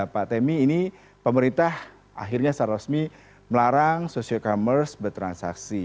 pak temi ini pemerintah akhirnya secara resmi melarang social commerce bertransaksi